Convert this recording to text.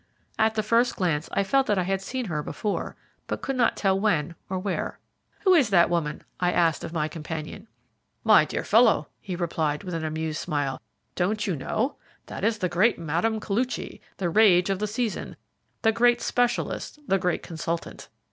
At the first glance I felt that I had seen her before, but could not tell when or where. "Who is that woman?" I asked of my companion. "My dear fellow," he replied, with an amused smile, "don't you know? That is the great Mme. Koluchy, the rage of the season, the great specialist, the great consultant.